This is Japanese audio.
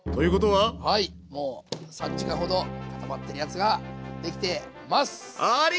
はいもう３時間ほど固まってるやつが出来てます！